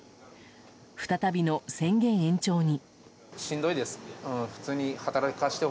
再びの宣言延長に。